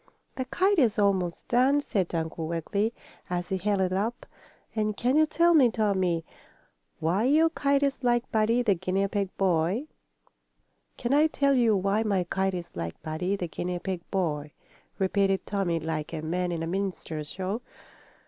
"The kite is almost done," said Uncle Wiggily, as he held it up. "And can you tell me, Tommie, why your kite is like Buddy, the guinea pig boy?" "Can I tell you why my kite is like Buddy, the guinea pig boy?" repeated Tommie, like a man in a minstrel show.